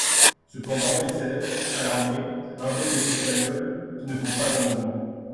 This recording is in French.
Cependant les Seize, alarmés, invoquent les Espagnols, qui ne font pas un mouvement.